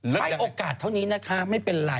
ให้โอกาสเท่านี้นะคะไม่เป็นไร